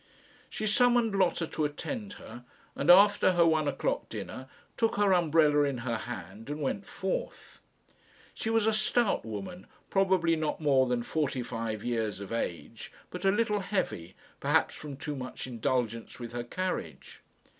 She summoned Lotta to attend her, and after her one o'clock dinner took her umbrella in her hand and went forth. She was a stout woman, probably not more than forty five years of age, but a little heavy, perhaps from too much indulgence with her carriage.